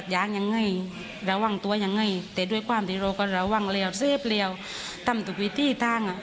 ยังไงแต่ด้วยความที่เราก็ระวังแล้วเสียบแล้วทำทุกวิธีทั้งอ่ะ